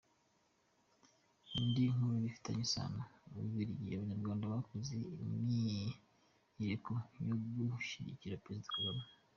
Indi nkuru bifitanye isano : U Bubiligi: Abanyarwanda bakoze imyiyereko yo gushyigikira Perezida Kagame.